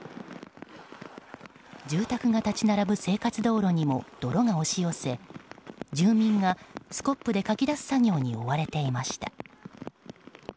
住宅が立ち並ぶ生活道路にも泥が押し寄せ住民が、スコップでかき出す作業に追われていました。